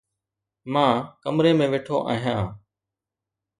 مان ڪمري ۾ ويٺو آهيان